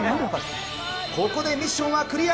ここでミッションはクリア。